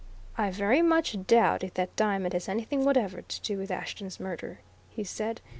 "I very much doubt if that diamond has anything whatever to do with Ashton's murder," he said.